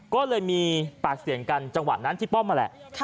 ก็เลยมีปากเสียงกันจังหวะนั้นที่ป้อมนั่นแหละ